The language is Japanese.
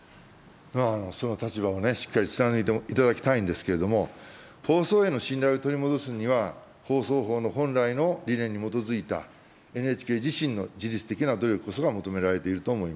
その立場をしっかり貫いていただきたいんですけど、放送への信頼を取り戻すには、放送法の本来の理念に基づいたＮＨＫ自身の自律的な努力こそが求められていると思います。